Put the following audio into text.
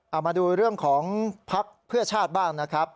เอามาดูเรื่องของภักดิ์เพื่อชาติบ้างนะครับ